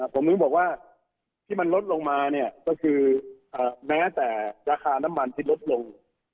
ผมถึงบอกว่าที่มันลดลงมาเนี่ยก็คือแม้แต่ราคาน้ำมันที่ลดลง